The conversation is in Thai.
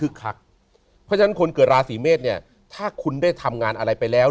เพราะฉะนั้นคนเกิดราสี่เมตรถ้าคุณได้ทำงานอะไรไปแล้ว